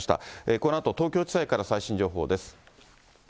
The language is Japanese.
このあと、東京地裁から最新情報です。